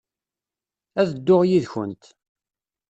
Ad dduɣ yid-kent.